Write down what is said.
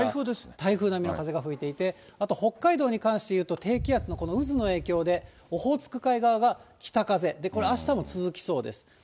台風並みの風が吹いていて、あと北海道に関して言うと、低気圧の渦の影響で、オホーツク海側が北風、これ、あしたも続きそうです。